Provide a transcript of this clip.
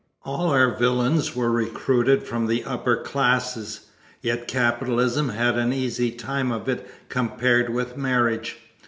All our villains were recruited from the upper classes. Yet capitalism had an easy time of it compared with marriage.